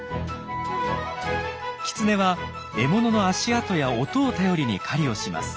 キツネは獲物の足跡や音をたよりに狩りをします。